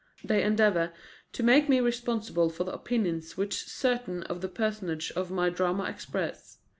They endeavour to make me responsible for the opinions which certain of the personages of my drama express.